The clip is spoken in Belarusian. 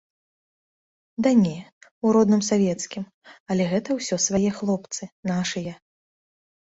Ды не, у родным савецкім, але гэта ўсё свае хлопцы, нашыя.